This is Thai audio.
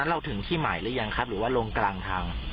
ลงก่อนถึงนิดเดียวเลยนะครับ